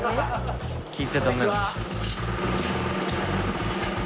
聞いちゃダメなの？